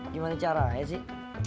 gimana cara ya sih